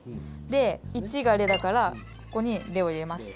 で１が「れ」だからここに「れ」を入れます。